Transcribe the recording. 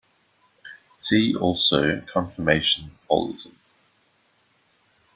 See also confirmation holism.